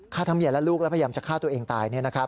ทั้งเมียและลูกและพยายามจะฆ่าตัวเองตาย